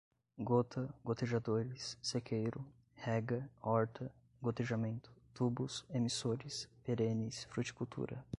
gota, gotejadores, sequeiro, rega, horta, gotejamento, tubos, emissores, perenes, fruticultura